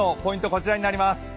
こちらになります。